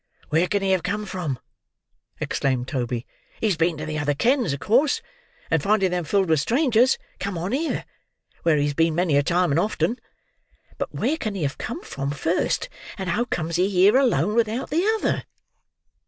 "Where can he have come from!" exclaimed Toby. "He's been to the other kens of course, and finding them filled with strangers come on here, where he's been many a time and often. But where can he have come from first, and how comes he here alone without the other!"